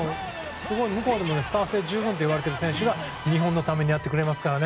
向こうでもスター性十分と言われている選手が日本のためにやってくれますからね。